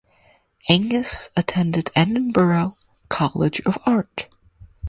Angus attended Edinburgh College of Art.